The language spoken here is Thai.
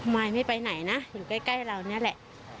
มายไม่ไปไหนนะอยู่ใกล้เรานี่แหละ